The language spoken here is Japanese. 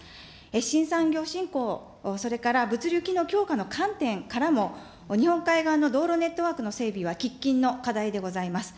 新産業振興、それから物流機能の強化の観点からも、日本海側の道路ネットワークの整備は喫緊の課題でございます。